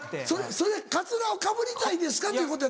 それ「カツラをかぶりたいですか」っていうことやったの？